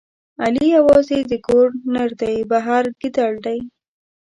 علي یوازې د کور نردی، بهر ګیدړ دی.